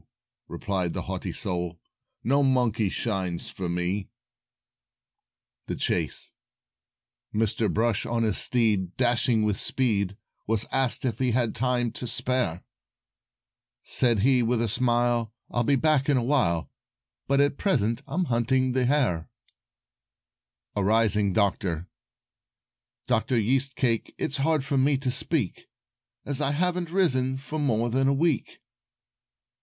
replied that haughty soul. "No Monkey shines for me." [Illustration: Dr. Key's Answer] THE CHASE Mr. Brush on his steed, dashing with speed, Was asked if he had time to spare; Said he, with a smile, "I'll be back in a while, But at present I'm hunting the hair." [Illustration: The Chase] A RISING DOCTOR "Dr. Yeast Cake, it's hard for me to speak, As I haven't risen for more than a week."